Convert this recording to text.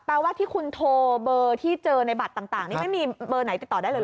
ว่าที่คุณโทรเบอร์ที่เจอในบัตรต่างนี่ไม่มีเบอร์ไหนติดต่อได้เลย